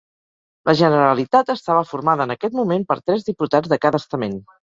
La Generalitat estava formada en aquest moment per tres diputats de cada estament.